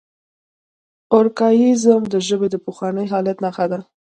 ارکائیزم د ژبې د پخواني حالت نخښه ده.